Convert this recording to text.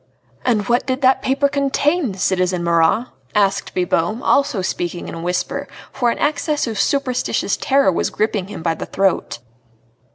"And what did that paper contain, citizen Marat?" asked Bibot, also speaking in a whisper, for an access of superstitious terror was gripping him by the throat.